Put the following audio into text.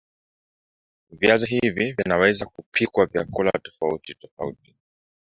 viazi hili hivi vinaweza kupikwa vyakula tofauti tofauti